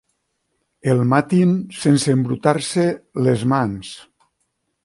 El matin sense embrutar-se les mans.